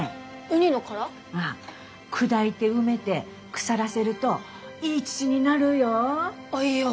砕いて埋めて腐らせるといい土になるよぅ。